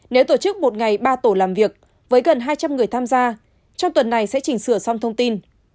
nếu tổ chức một ngày ba tổ làm việc với gần hai trăm linh người tham gia trong tuần này sẽ chỉnh sửa xong thông tin